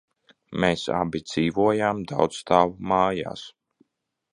Mēs abi dzīvojām daudzstāvu mājās.